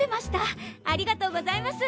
ありがとうございます。